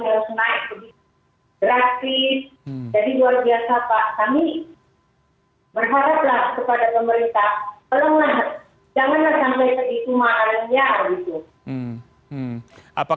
janganlah sampai tadi cuma alamnya